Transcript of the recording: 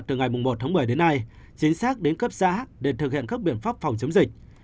từ ngày một tháng một mươi đến nay chính xác đến cấp xã để thực hiện các biện pháp phòng chống dịch